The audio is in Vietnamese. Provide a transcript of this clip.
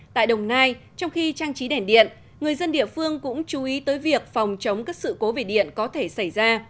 tại đồng nai trong khi trang trí đèn điện người dân địa phương cũng chú ý tới việc phòng chống các sự cố về điện có thể xảy ra